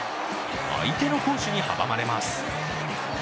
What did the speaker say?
相手の好守に阻まれます。